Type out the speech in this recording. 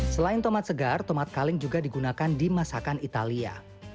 selain tomat segar tomat kaleng juga digunakan di masakan italia